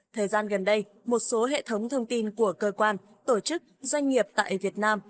thời gian gần đây một số hệ thống thông tin của cơ quan tổ chức doanh nghiệp tại việt nam